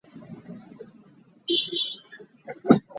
They need to get at least majority of the panels votes.